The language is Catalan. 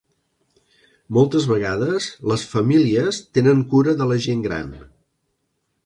Moltes vegades, les famílies tenen cura de la gent gran.